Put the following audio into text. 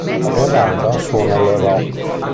La mia banda suona il rock